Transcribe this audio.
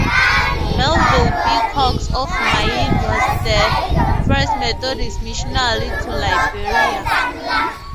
Melville B. Cox of Maine was the first Methodist missionary to Liberia.